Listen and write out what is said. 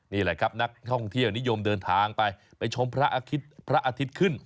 นี่แหละครับนักท่องเที่ยวนิยมเดินทางไปไปชมพระอาทิตย์พระอาทิตย์ขึ้น